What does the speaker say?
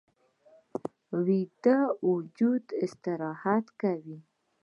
ویده وجود استراحت کوي